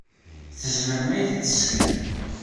Tzemrem ad iyi-t-id-tesseknem?